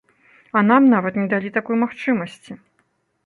А нам нават не далі такой магчымасці.